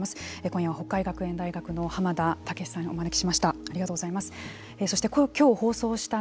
今夜は北海学園大学の濱田武士さんをお招きしました。